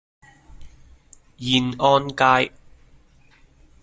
燕安街